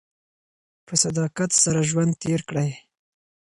په صداقت سره ژوند تېر کړئ.